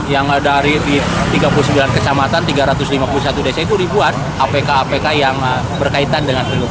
yang ada di tiga puluh sembilan kecamatan tiga ratus lima puluh satu desa itu ribuan apk apk yang berkaitan dengan